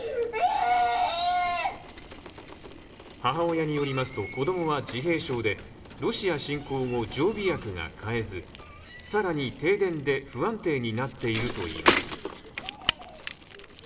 母親によりますと、子供は自閉症でロシア侵攻後、常備薬が買えず、更に停電で不安定になっているといいます。